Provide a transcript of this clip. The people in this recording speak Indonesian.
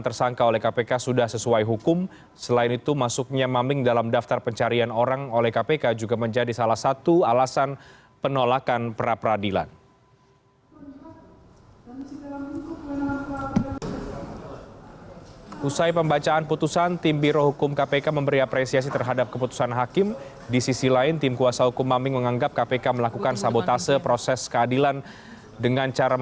pengadilan negeri jakarta selatan